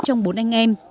trong bốn anh em